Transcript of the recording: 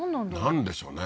なんでしょうね？